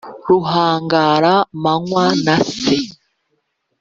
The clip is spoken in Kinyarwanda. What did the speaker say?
ruhangara-manywa na se